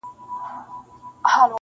چي مُلا دي راته لولي زه سلګی درته وهمه-